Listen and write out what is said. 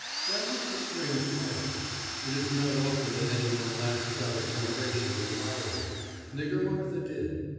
That was the strange part of it. It is not often that any one lasts out a generation in the Bowery. Nigger Martha did.